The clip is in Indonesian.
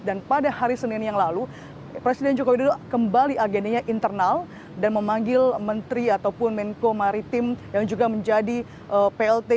dan pada hari senin yang lalu presiden joko widodo kembali agendanya internal dan memanggil menteri ataupun menko maritim yang juga menjadi plt